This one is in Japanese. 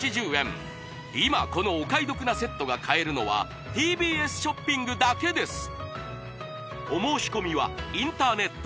今このお買い得なセットが買えるのはＴＢＳショッピングだけです